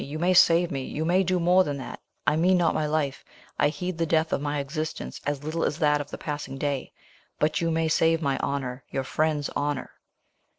you may save me you may do more than that I mean not my life, I heed the death of my existence as little as that of the passing day; but you may save my honour, your friend's honour."